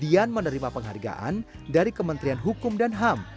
dian menerima penghargaan dari kementerian hukum dan ham